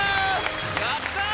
やった！